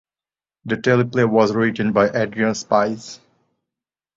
The teleplay was written by Adrian Spies.